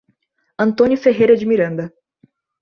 Antônio Ferreira de Miranda